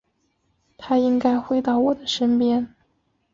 他应该回到我的身边